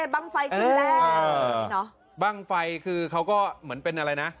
บั้งไฟกินแล้วเออน่ะบั้งไฟคือเขาก็เหมือนเป็นอะไรน่ะ